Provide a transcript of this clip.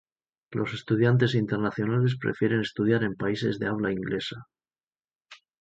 Los estudiantes internacionales prefieren estudiar en países de habla inglesa.